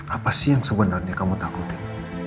apa sih yang sebenarnya kamu takutin